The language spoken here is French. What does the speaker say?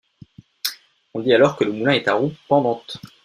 On dit alors que le moulin est à roue pendante.